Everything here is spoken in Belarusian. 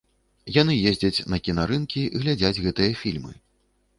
Яны ездзяць на кінарынкі, глядзяць гэтыя фільмы.